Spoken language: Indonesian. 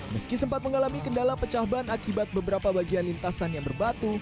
meski sempat mengalami kendala pecah ban akibat beberapa bagian lintasan yang berbatu